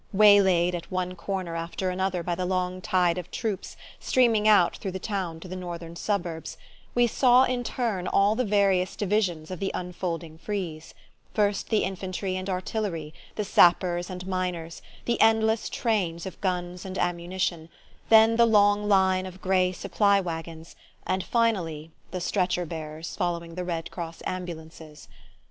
Waylaid at one corner after another by the long tide of troops streaming out through the town to the northern suburbs, we saw in turn all the various divisions of the unfolding frieze: first the infantry and artillery, the sappers and miners, the endless trains of guns and ammunition, then the long line of grey supply waggons, and finally the stretcher bearers following the Red Cross ambulances.